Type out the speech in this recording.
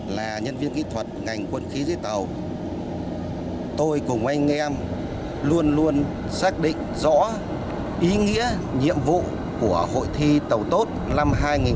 là nhân viên kỹ thuật ngành quân khí dưới tàu tôi cùng anh em luôn luôn xác định rõ ý nghĩa nhiệm vụ của hội thi tàu tốt năm hai nghìn một mươi chín